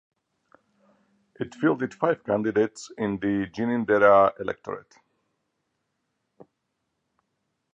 It fielded five candidates in the Ginninderra electorate.